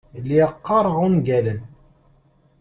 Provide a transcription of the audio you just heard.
Lliɣ qqareɣ ungalen.